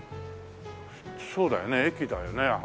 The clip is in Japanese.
そうだよね駅だよね。